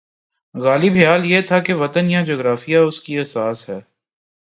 غالب خیال یہ تھا کہ وطن یا جغرافیہ اس کی اساس ہے۔